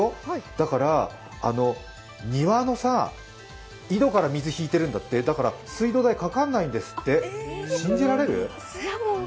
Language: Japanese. だから庭の井戸から水引いてるんだって、だから水道代かからないんですって、信じられる？